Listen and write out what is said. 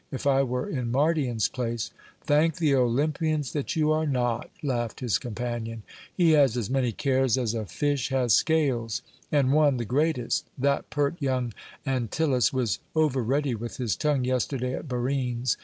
"If I were in Mardion's place " "Thank the Olympians that you are not," laughed his companion. "He has as many cares as a fish has scales. And one, the greatest. That pert young Antyllus was over ready with his tongue yesterday at Barine's.